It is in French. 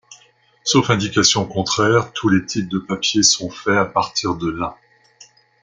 Sauf indication contraire, tous les types de papier sont faits à partir de lin.